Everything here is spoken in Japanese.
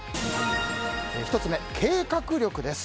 １つ目、計画力です。